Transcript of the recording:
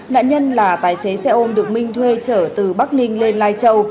nạn nhân là tài xế xe ôm được minh thuê trở từ bắc ninh lên lai châu